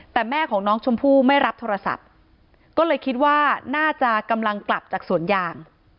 แต่แม่ของน้องชมพู่ไม่รับโทรศัพท์ก็เลยคิดว่าน่าจะกำลังกลับจากสวนยาง